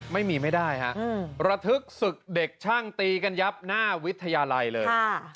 ไม่ได้ฮะระทึกศึกเด็กช่างตีกันยับหน้าวิทยาลัยเลย